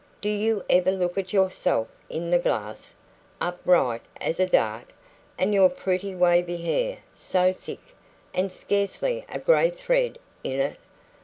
Do you ever look at yourself in the glass? Upright as a dart, and your pretty wavy hair so thick, and scarcely a grey thread in it!